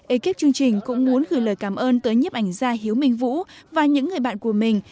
ekip chương trình cũng muốn gửi lời cảm ơn tới nhiếp ảnh gia hiếu minh vũ và những người bạn của mình